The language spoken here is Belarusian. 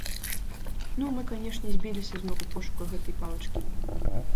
Ну, мы, канешне, збіліся з ног у пошуках гэтай палачкі.